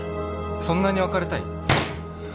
そんなに別れたい？